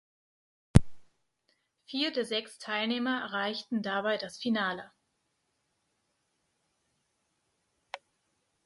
Vier der sechs Teilnehmer erreichten dabei das Finale.